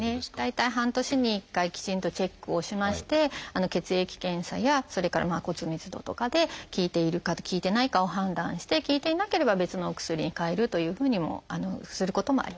大体半年に１回きちんとチェックをしまして血液検査やそれから骨密度とかで効いているか効いてないかを判断して効いていなければ別のお薬にかえるというふうにもすることもあります。